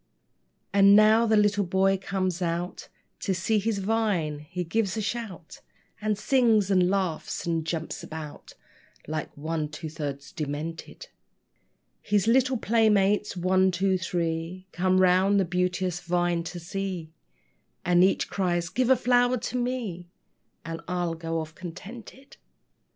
And now the little boy comes out To see his vine. He gives a shout, And sings and laughs, and jumps about Like one two thirds demented. His little playmates, one, two, three, Come round the beauteous vine to see, And each cries, "Give a flower to me, And I'll go off contented."